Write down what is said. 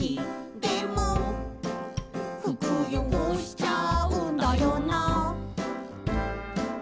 「でも服よごしちゃうんだよな」